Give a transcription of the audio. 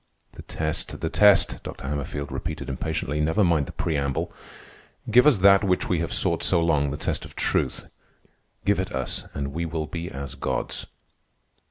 "The test, the test," Dr. Hammerfield repeated impatiently. "Never mind the preamble. Give us that which we have sought so long—the test of truth. Give it us, and we will be as gods."